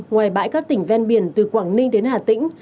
ngoài bãi các tỉnh ven biển từ quảng ninh đến hà tĩnh